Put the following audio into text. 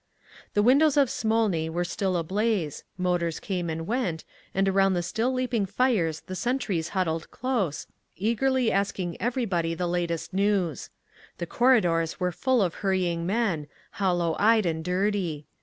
The windows of Smolny were still ablaze, motors came and went, and around the still leaping fires the sentries huddled close, eagerly asking everybody the latest news. The corridors were full of hurrying men, hollow eyed and dirty.